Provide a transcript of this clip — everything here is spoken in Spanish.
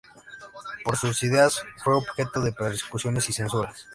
Por sus ideas fue objeto de persecuciones y censuras.